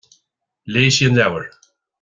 Léigh sí an leabhar.